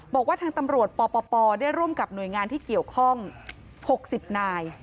บอกว่าทางตำรวจปปได้ร่วมกับหน่วยงานที่เกี่ยวข้อง๖๐นาย